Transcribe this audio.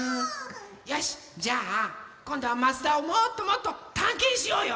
よしじゃあこんどは益田をもっともっとたんけんしようよ！